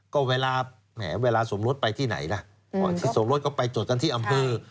โดยเวลาส่งรถไปที่ไหนล่ะที่ส่งรถก็ไปจดกันที่อำเภอ